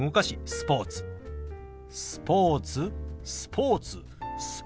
「スポーツ」「スポーツ」「スポーツ」。